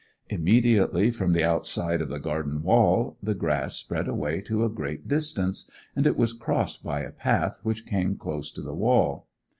Immediately from the outside of the garden wall the grass spread away to a great distance, and it was crossed by a path which came close to the wall.